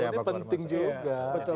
ini penting juga